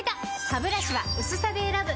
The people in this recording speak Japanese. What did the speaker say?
ハブラシは薄さで選ぶ！